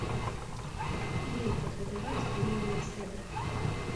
Нельга прадаваць фамільнае срэбра.